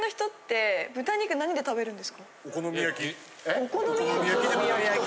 お好み焼き？